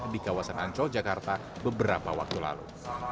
di kawasan ancol jakarta beberapa waktu lalu